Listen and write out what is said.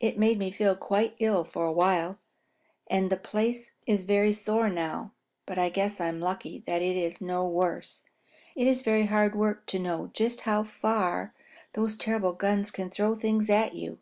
It made me feel quite ill for a while, and the place is very sore now, but I guess I'm lucky that it was no worse. It is very hard work to know just how far those terrible guns can throw things at you.